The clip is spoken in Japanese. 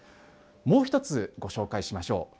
もう一つ、ご紹介しましょう。